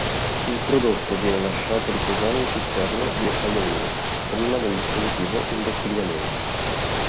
Il prodotto viene lasciato riposare in cisterne di acciaio inox, prima del definitivo imbottigliamento.